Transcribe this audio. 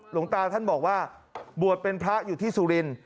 หลวงตาท่านบอกว่าบวชเป็นพระอยู่ที่สุรินทร์